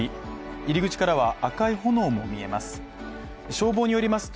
入り口からは、赤い炎も見えます。